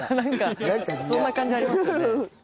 そんな感じありますよね。